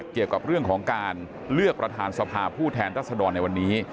เกี่ยวกับเรื่องของการเลือกประธานสภาผู้แทนรัศดรในวันนี้